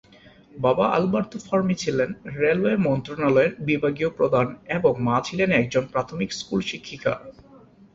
বাবা Alberto Fermi ছিলেন railway মন্ত্রণালয়ের বিভাগীয় প্রধান এবং মা ছিলেন একজন প্রাথমিক স্কুল শিক্ষিকা।